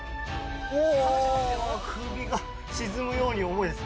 首が沈むように重いです。